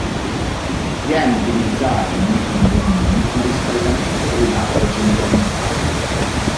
Viene utilizzato nei condomini con riscaldamento dell'acqua centralizzato.